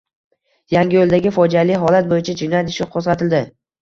Yangiyo‘ldagi fojiali holat bo‘yicha jinoyat ishi qo‘zg‘atildi